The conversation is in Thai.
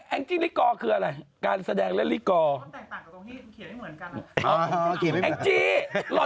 แอดดี้ลิกอร์คืออะไรการแสดงและลิกอร์